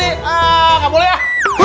ah gak boleh ah